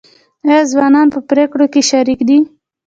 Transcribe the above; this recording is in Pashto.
آیا ځوانان په پریکړو کې شریک دي؟